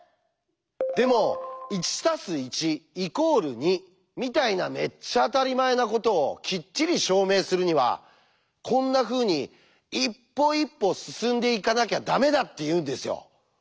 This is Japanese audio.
でも「１＋１＝２」みたいなめっちゃ当たり前なことをきっちり証明するにはこんなふうに一歩一歩進んでいかなきゃダメだっていうんですよ。